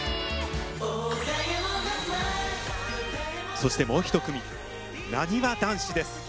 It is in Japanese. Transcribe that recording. そしてもう１組なにわ男子です。